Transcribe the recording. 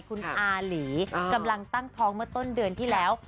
คุณอาหลีกำลังตั้งท้องเมื่อต้นเดือนที่แล้ว